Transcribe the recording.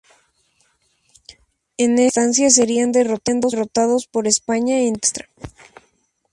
En esta instancia serían derrotados por España en tiempo extra.